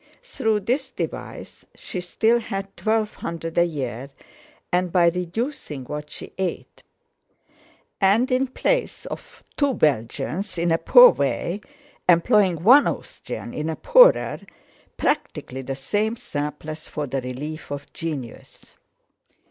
Through this device she still had twelve hundred a year, and by reducing what she ate, and, in place of two Belgians in a poor way, employing one Austrian in a poorer, practically the same surplus for the relief of genius.